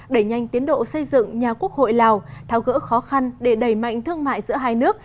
đẩy nhanh tiến độ xây dựng nhà quốc hội lào tháo gỡ khó khăn để đẩy mạnh thương mại giữa hai nước